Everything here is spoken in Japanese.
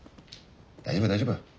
大丈夫大丈夫。